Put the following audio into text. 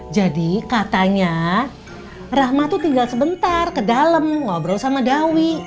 jadi katanya rahma tuh tinggal sebentar ke dalam ngobrol sama dawi